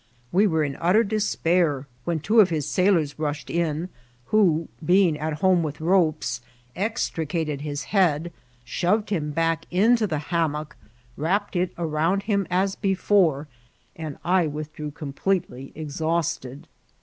We were in utter despair, when two of his sailors rush ed in, who, being at home with ropes, extricated his head, shoved him back iato the hammock, wrapped it around him as before, and I withdrew completely ex hausted.